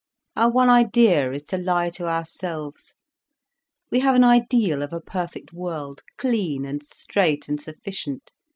Our one idea is to lie to ourselves. We have an ideal of a perfect world, clean and straight and sufficient.